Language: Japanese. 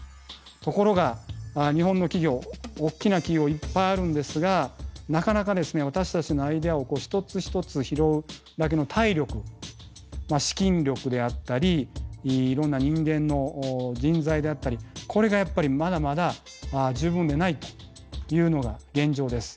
ところが日本の企業大きな企業いっぱいあるんですがなかなかですね私たちのアイデアを一つ一つ拾うだけの体力資金力であったりいろんな人間の人材であったりこれがやっぱりまだまだ十分でないというのが現状です。